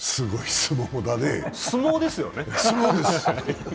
相撲ですよね？